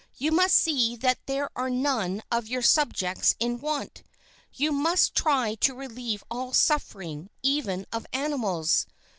You must see that there are none of your subjects in want; you must try to relieve all suffering, even of animals.